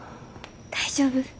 大丈夫？